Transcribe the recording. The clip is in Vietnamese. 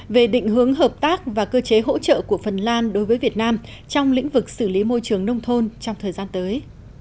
về định hướng hợp tác và cơ chế hỗ trợ của phần lan đối với việt nam trong lĩnh vực xử lý môi trường nông thôn trong thời gian tới